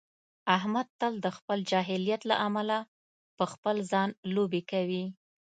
احمد تل د خپل جاهلیت له امله په خپل ځان لوبې کوي.